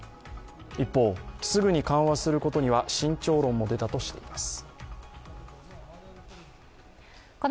一方、すぐに緩和することには慎重論も出たとしています。